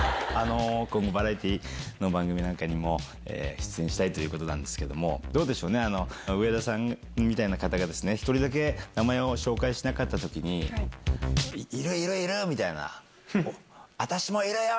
今後、バラエティーの番組なんかにも出演したいということなんですけども、どうでしょうね、上田さんみたいな方が、１人だけ名前を紹介しなかったときに、いるいるいるみたいな、私もいるよ！